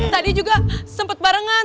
tadi juga sempet barengan